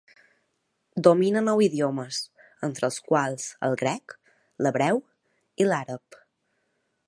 Domina nou idiomes, entre els quals el grec, l'hebreu i l'àrab.